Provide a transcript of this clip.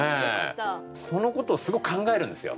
そのことをすごく考えるんですよ。